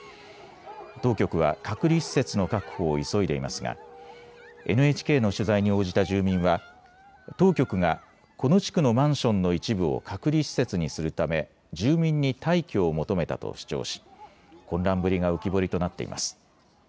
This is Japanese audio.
当局は隔離施設の確保を急いでいますがＮＨＫの取材に応じた住民は当局がこの地区のマンションの一部を隔離施設にするため住民に退去を求めたと主張し混乱ぶりが浮き彫りとなっています。